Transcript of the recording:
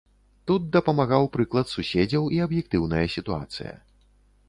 Тут дапамагаў прыклад суседзяў і аб'ектыўная сітуацыя.